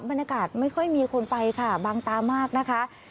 บรรยากาศไม่ค่อยมีคนไปค่ะบางตามากนะคะ